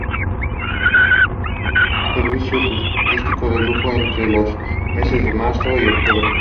Servicio turístico de lujo entre los meses de marzo y octubre.